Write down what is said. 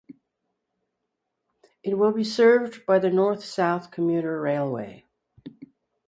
It will be served by the North–South Commuter Railway.